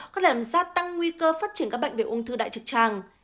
có thể làm ra tăng nguy cơ phát triển các bệnh về ung thư đại trực tràng